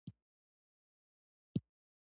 نن هم هغه میړونه او ښکلي پېغلې دي.